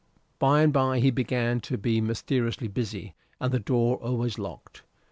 By and by he began to be mysteriously busy, and the door always locked.